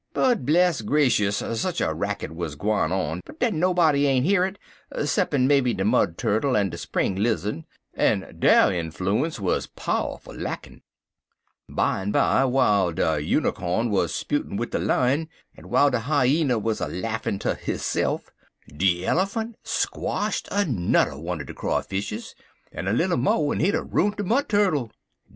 But, bless grashus! sech a racket wuz a gwine on dat nobody ain't hear it, 'ceppin' maybe de Mud Turkle en de Spring Lizzud, en dere enfloons wuz pow'ful lackin'. "Bimeby, w'iles de Nunicorn wuz 'sputin' wid de Lion, en w'ile de Hyener wuz a laughin' ter hisse'f, de Elephant squshed anudder one er de Crawfishes, en a little mo'n he'd er ruint de Mud Turkle.